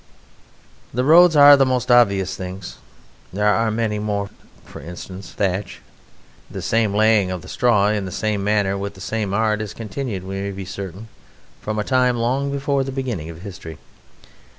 The roads are the most obvious things. There are many more; for instance, thatch. The same laying of the straw in the same manner, with the same art, has continued, we may be certain, from a time long before the beginning of history.